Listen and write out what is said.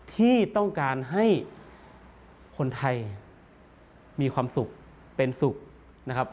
ที่ต้องการให้คนไทยมีความสุขเป็นสุขนะครับ